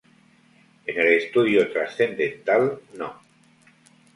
En el estudio trascendental no.